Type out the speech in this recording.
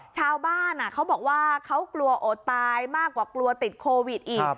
ชาวบ้านเขาบอกว่าเขากลัวโอดตายมากกว่ากลัวติดโควิดอีก